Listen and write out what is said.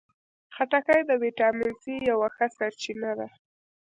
خټکی د ویټامین سي یوه ښه سرچینه ده.